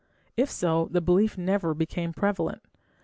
If so, the belief never became prevalent.